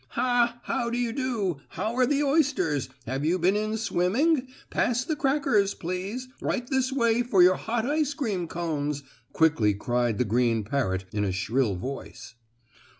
"Ha! How do you do? How are the oysters? Have you been in swimming? Pass the crackers, please. Right this way for your hot ice cream cones!" quickly cried the green parrot in a shrill voice.